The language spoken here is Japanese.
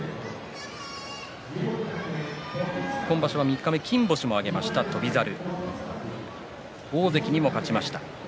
今場所は三日目に金星も挙げました翔猿大関にも勝ちました。